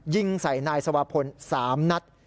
ยิงใส่นายสวาพล๓นัด